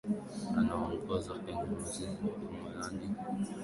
anaongoza kwenye mizizi ya umma yaani familiaNi yeye ndiye anayegawa daftari la familia